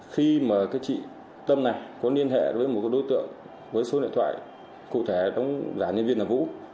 khi mà cái chị tâm này có liên hệ với một đối tượng với số điện thoại cụ thể đóng giả nhân viên là vũ